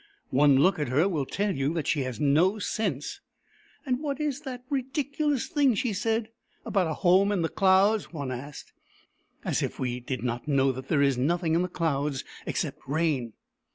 " One look at her will tell you that she has no sense." " And what is that ridiculous thing she said THE EMU WHO WOULD DANCE 71 about a home in the clouds ?" one asked. " As if we did not know that there is nothing in the clouds except rain